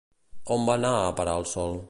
On va anar a parar el sol?